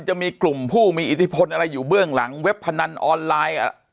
จะมีกลุ่มผู้มีอิทธิพลอะไรอยู่เบื้องหลังเว็บพนันออนไลน์